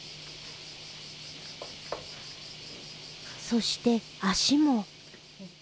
そして足も。